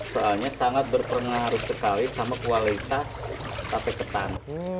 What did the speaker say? soalnya sangat berpengaruh sekali sama kualitas tape ketan